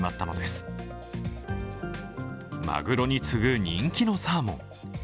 まぐろに次ぐ人気のサーモン。